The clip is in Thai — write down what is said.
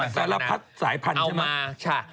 สารพัดสายพันธุ์ใช่ไหมครับเอามาใช่